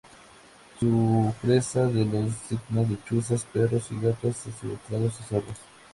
Son presa de los dingos, lechuzas, perros y gatos asilvestrados y zorros.